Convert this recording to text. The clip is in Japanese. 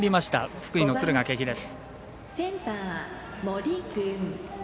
福井の敦賀気比です。